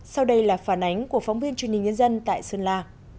sau đây là phản ánh của phóng viên truyền hình nhân dân tại sơn la